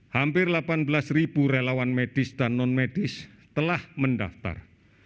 hampir delapan belas ribu relawan medis dan non medis telah mendaftar